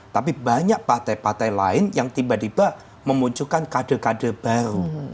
tapi banyak partai partai lain yang tiba tiba memunculkan kader kader baru